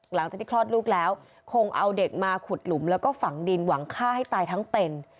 หลังจากที่คลอดลูกแล้วคงเอาเด็กมาขุดหลุมแล้วก็ฝังดินหวังฆ่าให้ตายทั้งเป็น